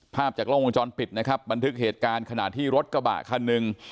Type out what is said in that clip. ภาพจากกล้องวงจรปิดนะครับบันทึกเหตุการณ์ขณะที่รถกระบะคันหนึ่ง